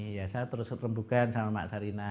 ya saya terus rembukan sama mbak sarina